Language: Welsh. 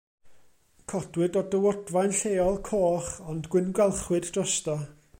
Codwyd o dywodfaen lleol, coch ond gwyngalchwyd drosto.